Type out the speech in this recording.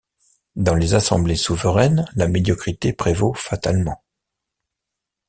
Dans les assemblées souveraines, la médiocrité prévaut fatalement.